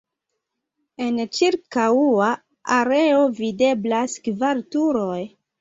En ĉirkaŭa areo videblas kvar turoj.